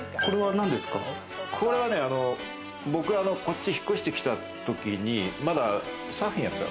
これは僕がこっちに引っ越してきたときにまだサーフィンやってた。